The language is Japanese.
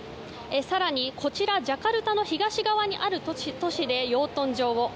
更に、こちらジャカルタの東側にある都市で養豚場を。